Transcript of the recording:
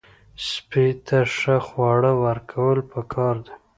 سپي ته ښه خواړه ورکول پکار دي.